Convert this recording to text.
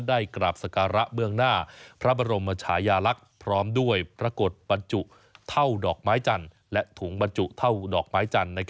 ได้กราบศักระเมืองหน้าพระบรมชายาลักษณ์พร้อมด้วยประกฏบาจุเท่าดอกไม้จันทร์